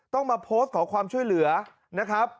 ต้องมาโพสต์ขอความช่วยเหลือนะครับ